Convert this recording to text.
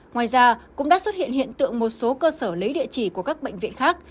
ngoài ra cũng đã xuất hiện hiện tượng một số cơ sở lấy địa chỉ của các bệnh viện khác